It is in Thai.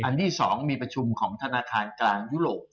ที่๒มีประชุมของธนาคารกลางยุโรป